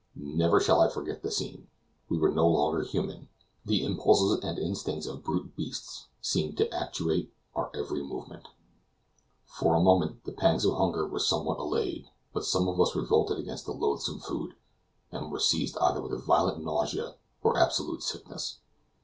Never shall I forget the scene. We were no longer human the impulses and instincts of brute beasts seemed to actuate our every movement. For a moment the pangs of hunger were somewhat allayed; but some of us revolted against the loathsome food, and were seized either with violent nausea or absolute sickness.